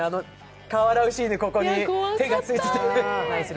顔を洗うシーンでここに手がついてて。